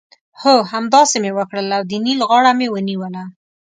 هو! همداسې مې وکړل او د نېل غاړه مې ونیوله.